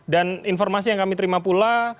dan informasi yang kami terima pula